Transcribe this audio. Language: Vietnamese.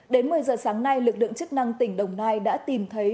đến một mươi giờ sáng nay lực lượng chức năng tỉnh đồng nai đã tìm thấy